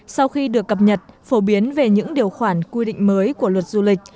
sau khi được cập nhật phổ biến về những điều khoản quy định mới của luật du lịch